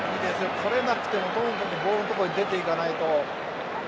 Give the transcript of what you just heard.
とれなくてもボールのところに出て行かないと。